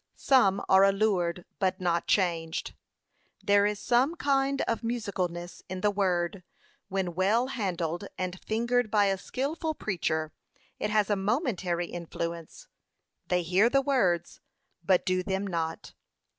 Some are allured but not changed: 'There is some kind of musicalness in the word; when well handled and fingered by a skilful preacher,' it has a momentary influence; 'they hear thy words, but do them not.'